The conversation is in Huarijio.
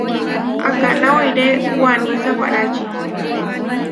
Akaná oiré waní sawárači.